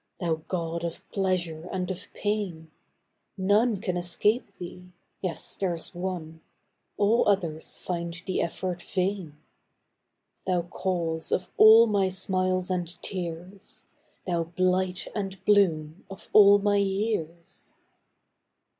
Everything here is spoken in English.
Thou god of pleasure and of pain ! None can escape thee yes there s one All others find the effort vain : Thou cause of all my smiles and tears ! Thou blight and bloom of all my years ! 70 LINES.